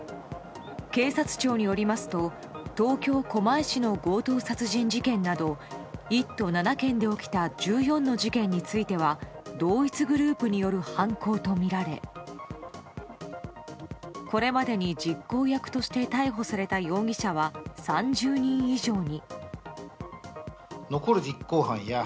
警察庁によりますと東京・狛江市の強盗殺人事件など１都７県で起きた１４の事件については同一グループによる犯行とみられこれまでに実行役として逮捕された容疑者は３０人以上に。